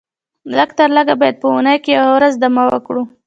لږ تر لږه باید په اونۍ کې یوه ورځ دمه وکړو